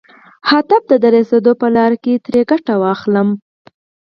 موخې ته د رسېدو په لاره کې ترې ګټه واخلم.